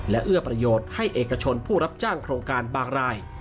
และเอื้อประโยชน์ให้เอกชนผู้รับจ้างโครงการบางราย